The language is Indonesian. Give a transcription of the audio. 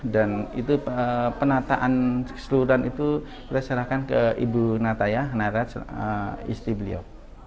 dan itu penataan keseluruhan itu kita serahkan ke ibu nataya naras istri beliau